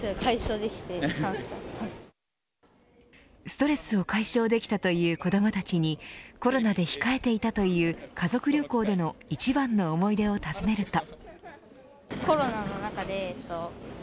ストレスを解消できたという子どもたちにコロナで控えていたという家族旅行での一番の思い出を訪ねると。